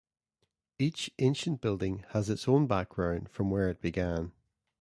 Each ancient building has its own background from where it began.